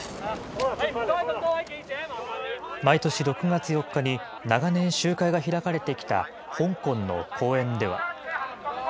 毎年６月４日に長年、集会が開かれてきた香港の公園では。